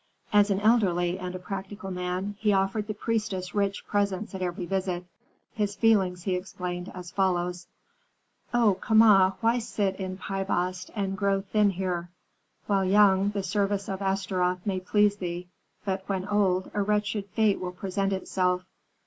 As an elderly and a practical man, he offered the priestess rich presents at every visit. His feelings he explained as follows: "O Kama, why sit in Pi Bast and grow thin here? While young, the service of Astaroth may please thee; but when old, a wretched fate will present itself.